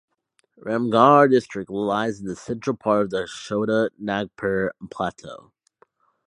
Ramgarh district lies in the central part of the Chota Nagpur Plateau.